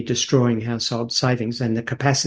keuntungan dan kemampuan untuk menjaga